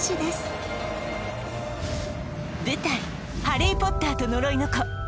「ハリー・ポッターと呪いの子」